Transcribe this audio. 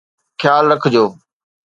خيال رکجو